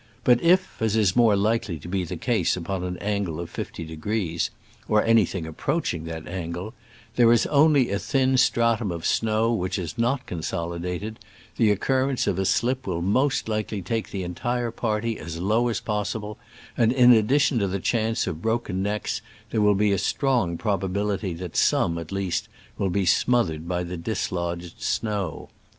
But if, as is more likely to be the case upon an angle of fifty degrees (or anything approaching that angle), there is only a thin stratum of snow which is not consolidated, the oc currence of a slip will most likely take the entire party as low as possible, and, in addition to the chance of broken necks, there will be a strong probability that some, at least, will be smothered by the dislodged snow.